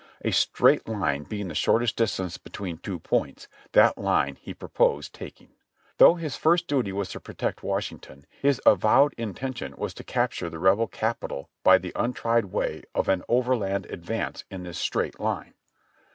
A straight line being the shortest distance between two points, that line he proposed taking. Though his first dutv was to protect Washing ton, his avowed intention was to capture the Rebel Capital by the untried way of an overland advance in this straight line.